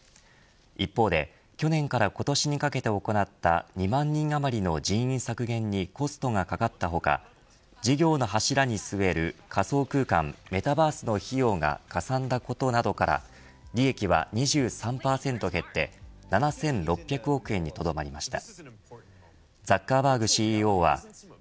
一方で去年から今年にかけて行った２万人あまりの人員削減にコストがかかった他事業の柱に据える仮想空間メタバースの費用がかさんだことなどから利益は２３％減って７６００億円にとどまりました。